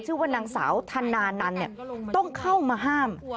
ชื่อว่านางสาวธนานันต์ต้องเข้ามาห้าม